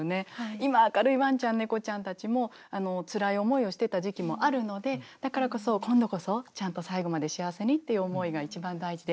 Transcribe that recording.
今明るいワンちゃんネコちゃんたちもつらい思いをしてた時期もあるのでだからこそ今度こそちゃんと最後まで幸せにという思いが一番大事で。